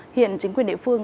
hiện chính quyền địa phương